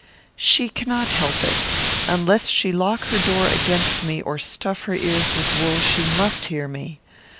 "She cannot help it. Unless she lock her door against me, or stuff her ears with wool, she must hear me.